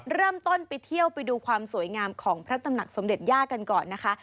เริ่มต้นไปเที่ยวไปดูความสวยงามของพระตำหนักสมเด็จย่ากันก่อนนะคะ